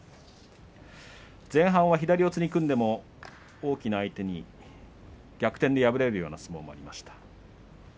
前半は左四つに組んでも大きな相手に逆転で敗れるような相撲もありました。